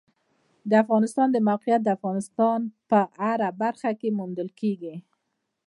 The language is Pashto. د افغانستان د موقعیت د افغانستان په هره برخه کې موندل کېږي.